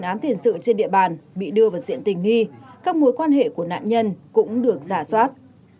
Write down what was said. án tiền sự trên địa bàn bị đưa vào diện tình nghi các mối quan hệ của nạn nhân cũng được giả soát